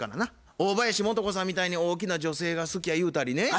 大林素子さんみたいに大きな女性が好きや言うたりね